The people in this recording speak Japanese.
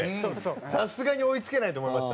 さすがに追い付けないと思いました。